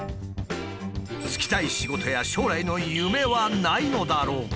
就きたい仕事や将来の夢はないのだろうか？